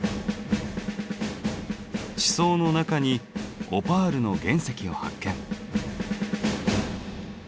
地層の中にオパールの原石を発見。